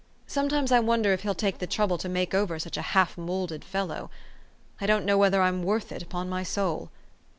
Sometimes I wonder if He'll take the trouble to make over such a half moulded fellow. I don't know whether I'm worth it, upon my soul!